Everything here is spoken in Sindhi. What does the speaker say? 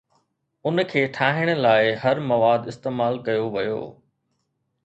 ان کي ٺاهڻ لاء هر مواد استعمال ڪيو ويو